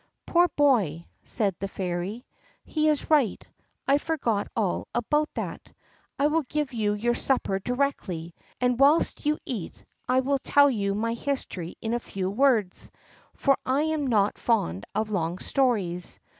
"Poor boy," said the Fairy, "he is right: I forgot all about that; I will give you your supper directly, and whilst you eat I will tell you my history in few words, for I am not fond of long stories.